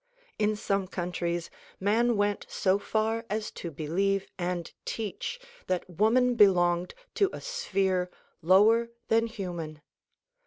In some countries man went so fai* as to believe and teach that woman belonged to a sphere lower than human.